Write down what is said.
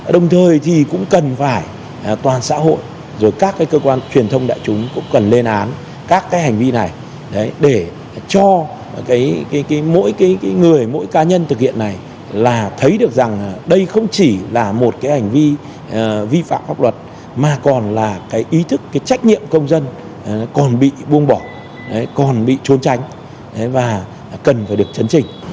đồng thời thì cũng cần phải toàn xã hội rồi các cái cơ quan truyền thông đại chúng cũng cần lên án các cái hành vi này để cho mỗi cái người mỗi cá nhân thực hiện này là thấy được rằng đây không chỉ là một cái hành vi vi phạm pháp luật mà còn là cái ý thức cái trách nhiệm công dân còn bị buông bỏ còn bị trốn tránh và cần phải được chấn trình